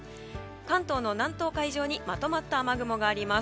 関東の南東海上にまとまった雨雲があります。